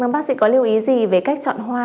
bác sĩ có lưu ý gì về cách chọn hoa